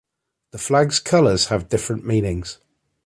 The flags colors have different meanings.